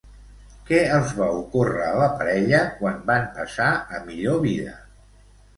Què els va ocórrer a la parella quan van passar a millor vida?